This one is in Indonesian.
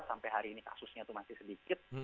sampai hari ini kasusnya itu masih sedikit